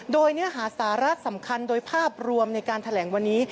โดยเนื้อหาสาระสำคัญโดยภาพรวมในการแถลงวันนี้